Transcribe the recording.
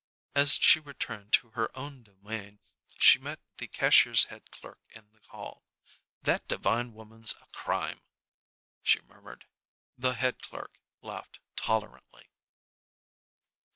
As she returned to her own domain she met the cashier's head clerk in the hall. "That Devine woman's a crime," she murmured. The head clerk laughed tolerantly.